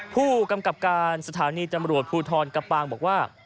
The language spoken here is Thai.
ผู้กำกับการสถานีตำรวจภูทรกะปางบอกว่า